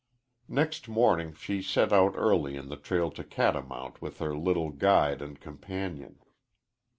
Next morning she set out early in the trail to Catamount with her little guide and companion.